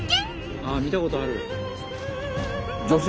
ああ見たことある！